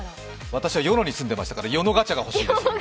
私は与野に住んでいましたから、与野ガチャが欲しいです。